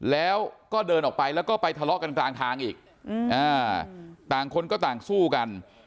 แล้วก็เดินออกไปแล้วก็ไปทะเลาะกันกลางทางอีกต่างคนก็ต่างสู้กัน